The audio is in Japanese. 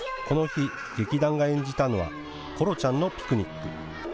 この日、劇団が演じたのはコロちゃんのピクニック。